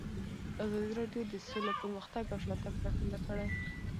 ازادي راډیو د سوله پرمختګ او شاتګ پرتله کړی.